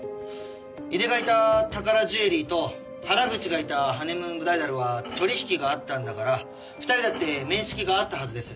井出がいた宝ジュエリーと原口がいたハネムーンブライダルは取引があったんだから２人だって面識があったはずです。